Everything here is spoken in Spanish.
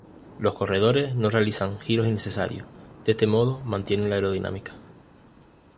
Los corredores no realizan giros innecesarios; de este modo, mantienen la aerodinámica.